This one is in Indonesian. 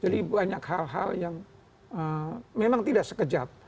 jadi itu hal hal yang memang tidak sekejap